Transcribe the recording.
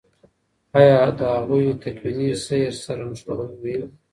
آیا د هغوی تکويني سير سره نښلول مهم دي؟